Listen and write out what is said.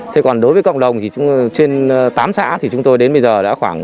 thế còn đối với cộng đồng thì trên tám xã thì chúng tôi đến bây giờ đã khoảng